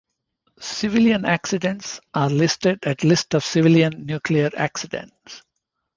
Civilian accidents are listed at List of civilian nuclear accidents.